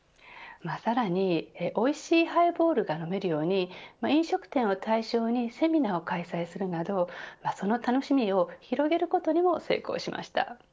さらにおいしいハイボールが飲めるように飲食店を対象にセミナーを開催するなどその楽しみを広げることにも成功しました。